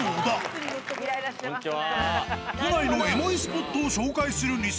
都内のエモいスポットを紹介